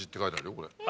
これ。